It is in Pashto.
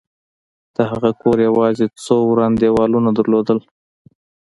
د هغه کور یوازې څو وران دېوالونه درلودل